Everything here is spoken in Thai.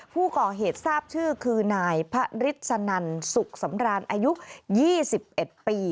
ผู้ก่อเหตุทราบชื่อคือนายพระฤทธนันสุขสำราญอายุ๒๑ปี